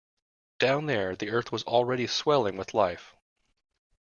Down there the earth was already swelling with life.